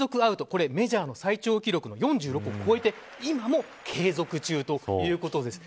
これ、メジャーの最長記録の４６を超えて今も継続中ということです。